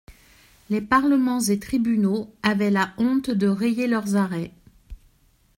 Les Parlements et tribunaux avaient la honte de rayer leurs arrêts.